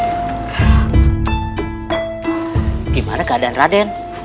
bagaimana keadaan raden